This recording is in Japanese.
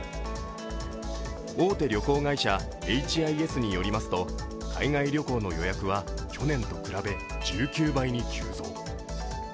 大手旅行会社エイチ・アイ・エスによりますと海外旅行の予約は去年と比べ１９倍に急増。